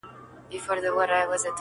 o بخته راته یو ښکلی صنم راکه,